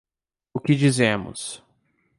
O que dizemos